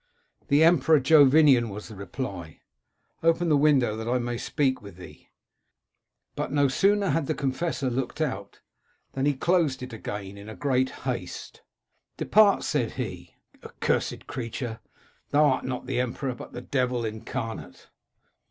"* The Emperor Jovinian,' was the reply ;* open the window that I may speak with thee.' The window was opened ; but no sooner had the con fessor looked out than he closed it again in great haste. "* Depart,' said he, * accursed creature ! Thou art not the emperor, but the devil incarnate.'